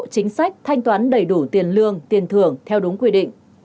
chính sách thanh toán đầy đủ tiền lương tiền thưởng theo đúng quy định